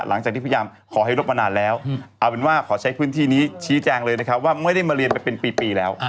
หลังจากที่พยายามขอให้รบมานานแล้วเอาเป็นว่าขอใช้พื้นที่นี้ชี้แจงเลยนะครับว่าไม่ได้มาเรียนไปเป็นปีแล้ว